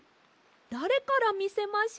だれからみせましょう？